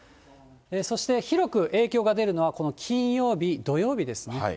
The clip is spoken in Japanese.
そして広く影響が出るのは、この金曜日、土曜日ですね。